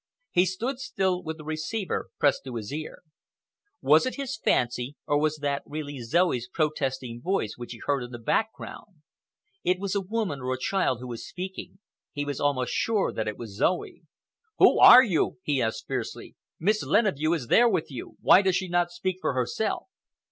He stood still with the receiver pressed to his ear. Was it his fancy, or was that really Zoe's protesting voice which he heard in the background? It was a woman or a child who was speaking—he was almost sure that it was Zoe. "Who are you?" he asked fiercely. "Miss Leneveu is there with you. Why does she not speak for herself?"